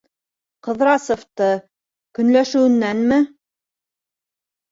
Ҡыҙрасовты... көнләшеүенәнме?